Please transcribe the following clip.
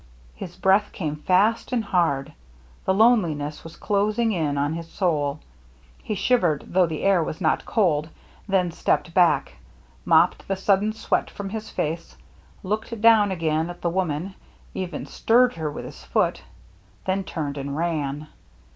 His breath came fast and hard ; the loneliness was closing in on his soul. He shivered, though the air was not cold, then stepped back, mopped the sudden sweat from his face, looked down again at the woman, — even stirred her with his foot, — then turned and ran.